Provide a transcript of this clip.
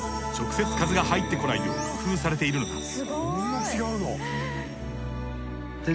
直接風が入ってこないよう工夫されているのだ。